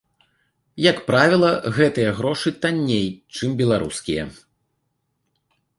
Як правіла, гэтыя грошы танней, чым беларускія.